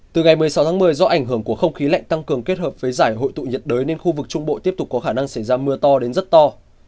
từ ngày một mươi sáu tháng một mươi do ảnh hưởng của không khí lạnh tăng cường kết hợp với giải hội tụ nhiệt đới nên khu vực trung bộ tiếp tục có khả năng xảy ra mưa to đến rất to